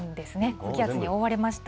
高気圧に覆われました。